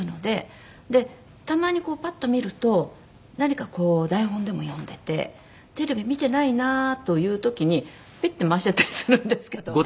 たまにこうパッと見ると何かこう台本でも読んでてテレビ見てないなという時にピッて回しちゃったりするんですけど。